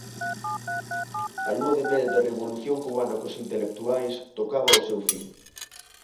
A lúa de mel da revolución cubana cos intelectuais tocaba ao seu fin.